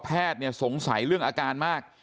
แพทย์สงสัยเรื่องอาการมาก